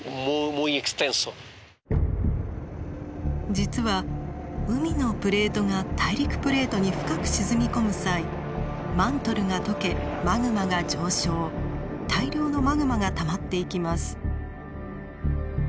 実は海のプレートが大陸プレートに深く沈み込む際マントルが溶けマグマが上昇大量のマグマがたまっていきます。